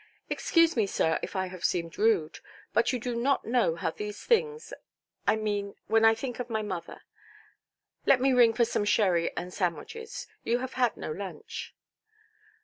"Excuse me, sir, if I have seemed rude; but you do not know how these things——I mean, when I think of my mother. Let me ring for some sherry and sandwiches; you have had no lunch".